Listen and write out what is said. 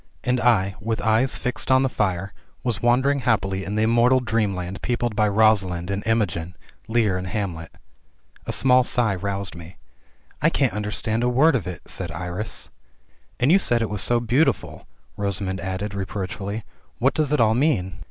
And I, with eyes fixed on the fire, was wandering happily in the immortal dreamland peopled by Rosalind and Imogen, Lear and Hamlet. A small sigh roused me — "I can't understand a word of it," said Iris. "And you said it was so beautiful," Rosamund added, reproach fully. "What does it all mean?"